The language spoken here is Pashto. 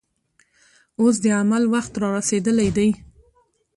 اوس د عمل وخت رارسېدلی دی.